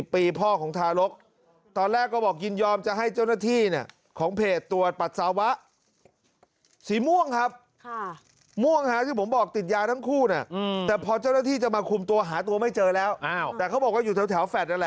ป่าของธารกษ์ตอนแรกครับก็บอกยินยอมจะให้เจ้าหน้าที่เนี่ยของเพจตรวจปรัตยาศาวะ